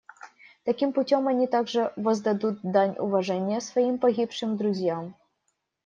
Таким путем они также воздадут дань уважения своим погибшим друзьям.